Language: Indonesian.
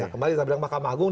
kembali kita bilang makam agung